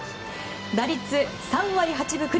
打率３割８分９厘。